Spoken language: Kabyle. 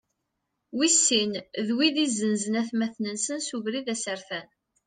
Wis sin, d wid izenzen atmaten-nsen s ubrid asertan.